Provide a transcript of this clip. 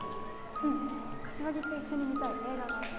うん柏木と一緒に見たい映画があって